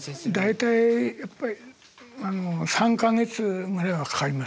大体やっぱり３か月ぐらいはかかりますね。